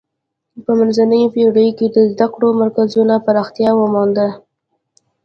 په منځنیو پیړیو کې د زده کړو مرکزونو پراختیا ومونده.